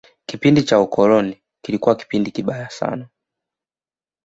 kipindi cha ukoloni kilikuwa kipindi kibaya sana